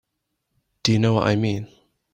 Do you know what I mean?